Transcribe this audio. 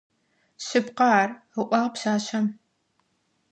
Шъыпкъэ ар,— ыӏуагъ пшъашъэм.